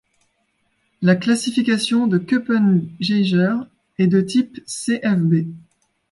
La classification de Köppen-Geiger est de type Cfb.